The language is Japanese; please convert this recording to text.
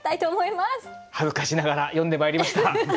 恥ずかしながら詠んでまいりました。